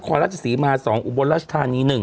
นครรัฐศรีมาสองอุบรัชธานีหนึ่ง